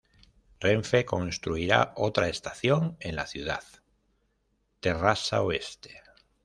Renfe construirá otra estación en la ciudad: Terrassa Oeste.